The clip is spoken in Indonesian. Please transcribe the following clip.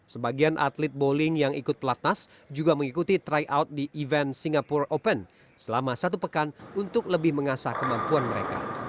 sebagian atlet bowling yang ikut pelatnas juga mengikuti tryout di event singapore open selama satu pekan untuk lebih mengasah kemampuan mereka